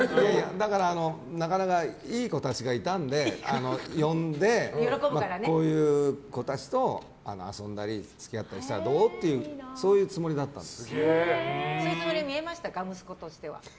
だから、なかなかいい子たちがいたんで呼んでこういう子たちと遊んだり付き合ったりしたらどう？っていうそういうつもりに見えました？